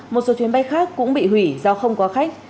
một số chuyến bay khác cũng bị hủy do không có khách